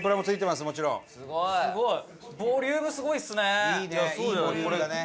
宮田：ボリュームすごいですね。